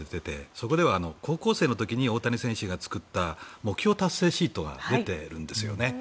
そこでは高校生の時に大谷選手が作った目標達成シートが出ているんですよね。